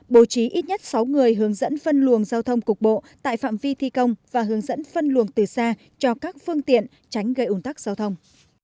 bố trí ít nhất sáu người hướng dẫn phân luồng giao thông cục bộ tại phạm vi thi công và hướng dẫn phân luồng từ xa cho các phương tiện tránh gây ủn tắc giao thông